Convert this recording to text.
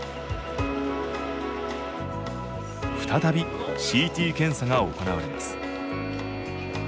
再びＣＴ検査が行われます